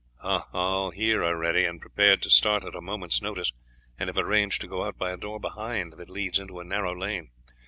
"All here are ready and prepared to start at a moment's notice, and have arranged to go out by a door behind, that leads into a narrow lane."